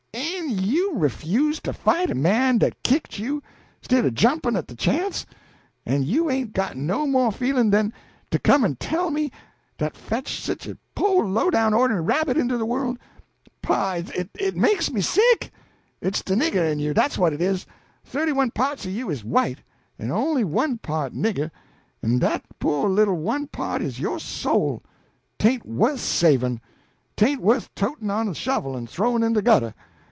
"En you refuse' to fight a man dat kicked you, 'stid o' jumpin' at de chance! En you ain't got no mo' feelin' den to come en tell me, dat fetched sich a po' low down ornery rabbit into de worl'! Pah! it make me sick! It's de nigger in you, dat's what it is. Thirty one parts o' you is white, en on'y one part nigger, en dat po' little one part is yo' soul. Tain't wuth savin'; tain't wuth totin' out on a shovel en throwin' in de gutter.